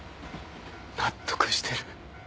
納得してる。